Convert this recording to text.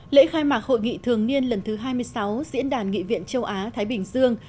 lễ khai mạc hội nghị thường niên lần thứ hai mươi sáu diễn đàn nghị viện châu á thái bình dương